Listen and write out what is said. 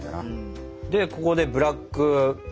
でここでブラック。